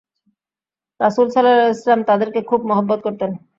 রাসূল সাল্লাল্লাহু আলাইহি ওয়াসাল্লাম তাদেরকে খুব মহব্বত করতেন।